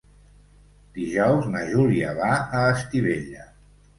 Dijous na Júlia va a Estivella.